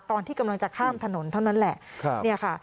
ตอนที่กำลังจะข้ามถนนเท่านั้นแหละ